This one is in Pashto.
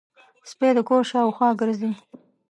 سپي د کور شاوخوا ګرځي.